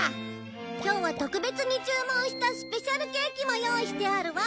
今日は特別に注文したスペシャルケーキも用意してあるわ！